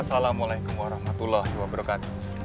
assalamu'alaikum warahmatullah wabarakatuh